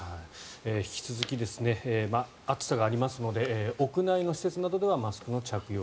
引き続き暑さがありますので屋内の施設などではマスクの着用